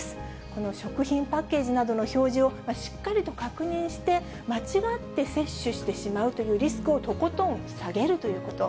この食品パッケージなどの表示をしっかりと確認して、間違って摂取してしまうというリスクをとことん下げるということ。